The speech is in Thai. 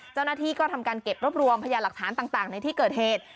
เจ้าหน้าที่ก็ทำการเก็บรวบรวมพยานหลักฐานต่างในที่เกิดเหตุ